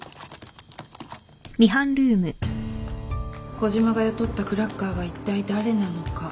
児島が雇ったクラッカーがいったい誰なのか。